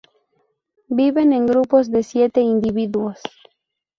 Viven en grupos de siete individuos.